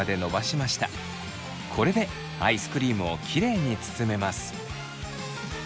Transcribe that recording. これでアイスクリームをきれいに包めます。